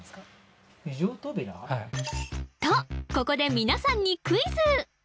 はいとここで皆さんにクイズ